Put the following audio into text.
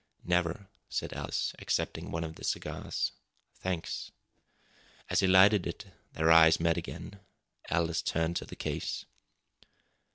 "Never," said Aldous, accepting one of the cigars. "Thanks." As he lighted it, their eyes met again. Aldous turned to the case.